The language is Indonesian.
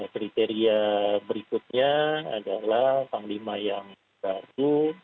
kriteria berikutnya adalah panglima yang baru